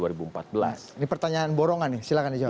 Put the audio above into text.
ini pertanyaan borongan nih silahkan dijawab